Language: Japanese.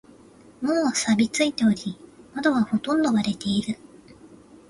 門は錆びついており、窓はほとんど割れている。